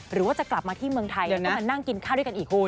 หรือว่าจะกลับมาที่เมืองไทยแล้วก็มานั่งกินข้าวด้วยกันอีกคุณ